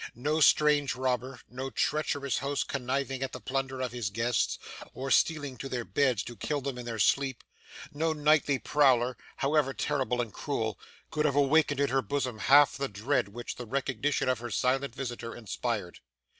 No strange robber, no treacherous host conniving at the plunder of his guests, or stealing to their beds to kill them in their sleep, no nightly prowler, however terrible and cruel, could have awakened in her bosom half the dread which the recognition of her silent visitor inspired.